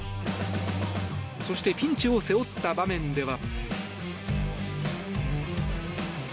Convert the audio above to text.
そしてピンチを背負った場面では。